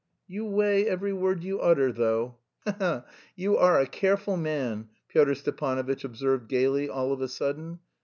"You weigh every word you utter, though. He he! You are a careful man!" Pyotr Stepanovitch observed gaily all of a sudden.